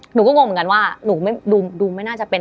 หนูก็งงเหมือนกันว่าหนูดูไม่น่าจะเป็น